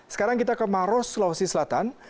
sekarang kita ke maros sulawesi selatan